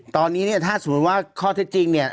ตอนนี้เนี่ยถ้าสมมุติว่าข้อเท็จจริงเนี่ย